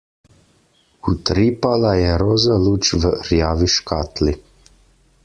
Utripala je roza luč v rjavi škatli.